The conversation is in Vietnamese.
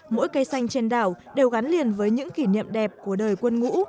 mỗi cây xanh trên đảo đều gắn liền với những kỷ niệm đẹp của đời quân ngũ